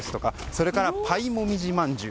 それから、パイもみじまんじゅう